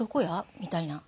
みたいな。